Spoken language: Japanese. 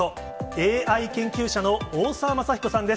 ＡＩ研究者の大澤正彦さんです。